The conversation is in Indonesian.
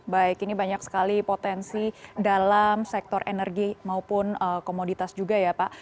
baik ini banyak sekali potensi dalam sektor energi maupun komoditas juga ya pak